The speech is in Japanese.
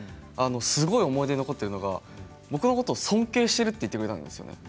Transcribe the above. すごい思い出に残っているのが僕のこと尊敬しているって言ってくれたんですよね。